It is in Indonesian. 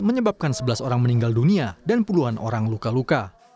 menyebabkan sebelas orang meninggal dunia dan puluhan orang luka luka